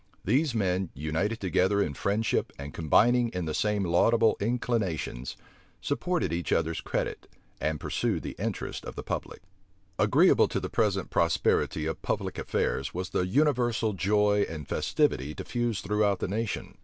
These men, united together in friendship, and combining in the same laudable inclinations, supported each other's credit, and pursued the interests of the public. Agreeable to the present prosperity of public affairs was the universal joy and festivity diffused throughout the nation.